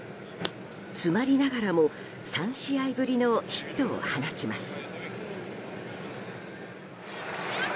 詰まりながらも３試合ぶりのヒットを放ちます。